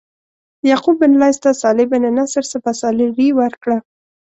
یعقوب بن لیث ته صالح بن نصر سپه سالاري ورکړه.